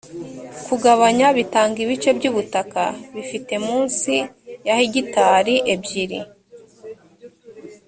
kugabanya bitanga ibice by’ubutaka bifite munsi ya hegitari ebyiri